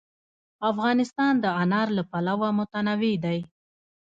افغانستان د انار له پلوه متنوع دی.